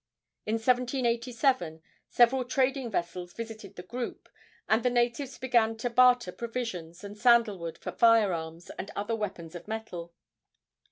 In 1787 several trading vessels visited the group, and the natives began to barter provisions and sandal wood for fire arms and other weapons of metal.